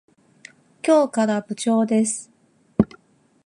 今日から部長です。